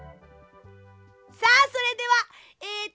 さあそれではえっとね